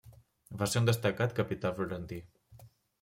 Va ser un destacat capità florentí.